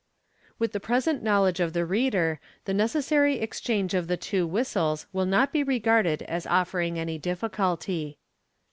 With the present knowledge of the reader, the necessary exchange of the two whistles will not be regarded as offering any difficulty.